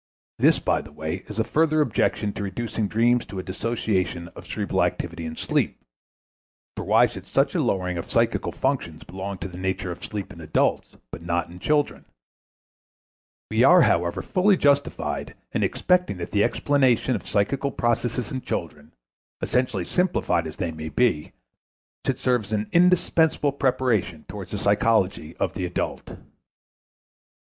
This, by the way, is a further objection to reducing dreams to a dissociation of cerebral activity in sleep, for why should such a lowering of psychical functions belong to the nature of sleep in adults, but not in children? We are, however, fully justified in expecting that the explanation of psychical processes in children, essentially simplified as they may be, should serve as an indispensable preparation towards the psychology of the adult.